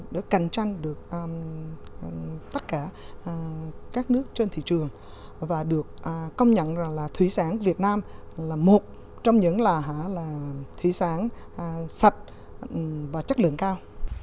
để cạnh tranh được tất cả các nước trên thị trường và được công nhận là thủy sản việt nam là một trong những là thủy sản sạch và chất lượng cao